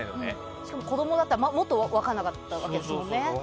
しかも子供だったらもっと分かんなかったわけですよね。